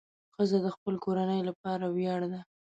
ښځه د خپل کورنۍ لپاره ویاړ ده.